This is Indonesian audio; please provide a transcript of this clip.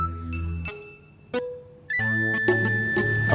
ya aku mau